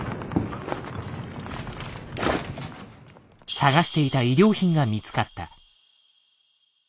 探していた医療品が見つかった。